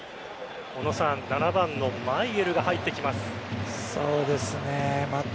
小野さん７番のマイェルが入ってきます。